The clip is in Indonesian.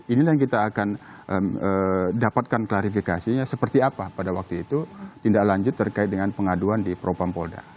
inilah yang kita akan dapatkan klarifikasinya seperti apa pada waktu itu tindak lanjut terkait dengan pengaduan di propam polda